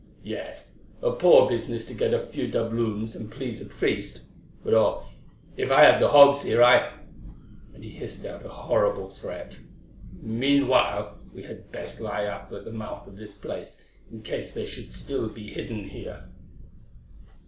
Yes, a poor business to get a few doubloons and please a priest, but oh! if I had the hogs here I——" And he hissed out a horrible threat. "Meanwhile we had best lie up at the mouth of this place in case they should still be hidden here."